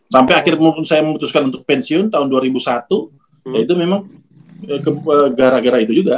sampai akhir saya memutuskan untuk pensiun tahun dua ribu satu ya itu memang gara gara itu juga